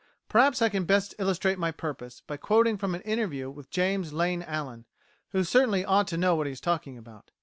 Perhaps I can best illustrate my purpose by quoting from an interview with James Lane Allen, who certainly ought to know what he is talking about.